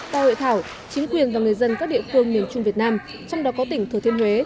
tại hội thảo chính quyền và người dân các địa phương miền trung việt nam trong đó có tỉnh thừa thiên huế